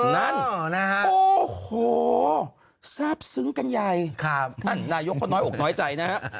นะฮะโอ้โหซาบซึ้งกันใหญ่ครับนายกคนน้อยอกน้อยใจนะฮะ